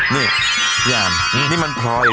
เลี้ยงมันยอม